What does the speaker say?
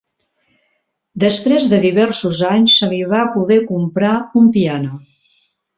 Després de diversos anys se li va poder comprar un piano.